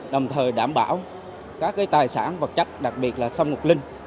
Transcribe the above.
đồng thời đảm bảo các tài sản vật chất đặc biệt là sông ngọc linh